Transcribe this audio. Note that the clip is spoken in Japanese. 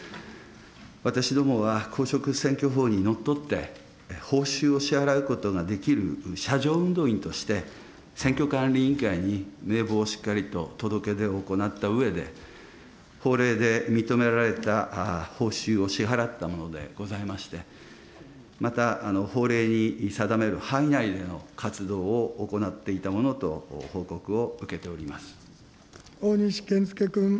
私どもは、公職選挙法にのっとって、報酬を支払うことができる車上運動員として、選挙管理委員会に名簿をしっかりと届け出を行ったうえで、法令で認められた報酬を支払ったものでございまして、また、法令に定める範囲内での活動を行っていたものと報告を受けており大西健介君。